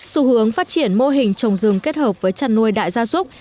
xu hướng phát triển mô hình trồng rừng kết hợp với chăn nuôi đại gia súc